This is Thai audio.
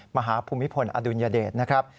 ภูมิพลอดุลยเดชนะครับ